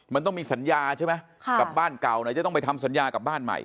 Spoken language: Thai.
มันต้องมีสัญญาใช่ไหมกับบ้านเก่าไหนจะต้องไปทำสัญญากับบ้านใหม่